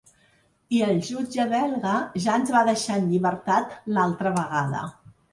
I el jutge belga ja ens va deixar en llibertat l’altra vegada.